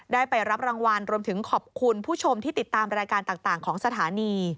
ไปรับรางวัลรวมถึงขอบคุณผู้ชมที่ติดตามรายการต่างของสถานี